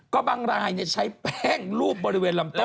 ก็บางรายใช้แป้งรูปบริเวณลำต้น